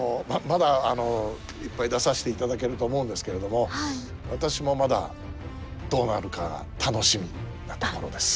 まだいっぱい出させていただけると思うんですけれども私もまだどうなるか楽しみなところです。